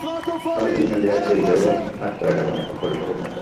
আবার বিভিন্ন লেয়ার তৈরি করেও কাজ করা যাবে, অনেকটা ফটোশপের মতো।